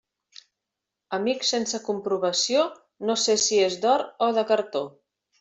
Amic sense comprovació, no sé si és d'or o de cartó.